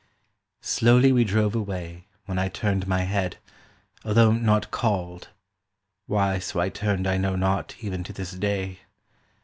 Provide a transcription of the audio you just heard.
Slowly we drove away, When I turned my head, although not Called; why so I turned I know not Even to this day.